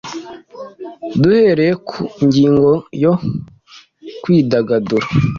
Duhereye ku ngingo yo kwidagadura